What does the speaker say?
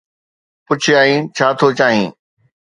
پڇيائين: ڇا ٿو چاهين؟